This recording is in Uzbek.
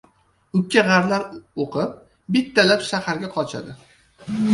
Ukkag‘arlar o‘qib, bittalab shaharga qochadi.